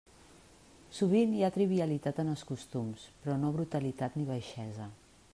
Sovint hi ha trivialitat en els costums, però no brutalitat ni baixesa.